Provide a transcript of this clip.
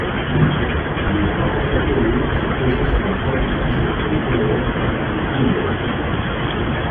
Le paraquat-chlorure se présente sous la forme de cristaux incolores et inodores.